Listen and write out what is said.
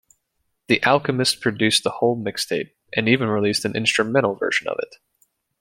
The Alchemist produced the whole mixtape, and even released an instrumental version of it.